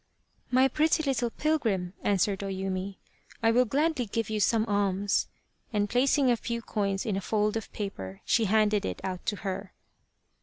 " My pretty little pilgrim," answered O Yumi, " I will gladly give you some alms," and placing a few coins in a fold of paper she handed it out to her.